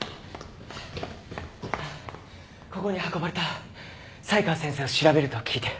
ここに運ばれた才川先生を調べると聞いて。